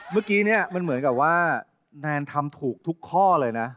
เมื่อกี้เนี่ยมันเหมือนกับว่าแนนทำถูกทุกข้อเลยนะ